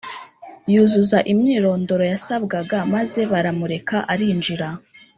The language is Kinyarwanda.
yuzuza imyirondoro yasabwaga maze baramureka arinjira